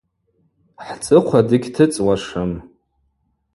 Хӏцӏыхъва дыгьтыцӏуашым.